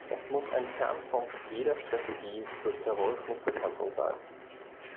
Das muss ein Kernpunkt jeder Strategie zur Terrorismusbekämpfung sein.